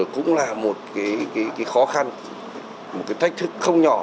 cũng là một cái khó khăn một cái thách thức không nhỏ